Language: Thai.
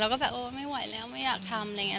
ก็แบบเออไม่ไหวแล้วไม่อยากทำอะไรอย่างนี้